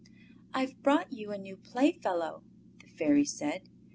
"I've brought you a new playfellow," the Fairy said.